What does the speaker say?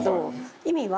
意味は。